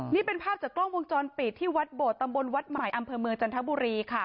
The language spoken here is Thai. นี่เป็นภาพจากกล้องวงจรปิดที่วัดโบดตำบลวัดใหม่อำเภอเมืองจันทบุรีค่ะ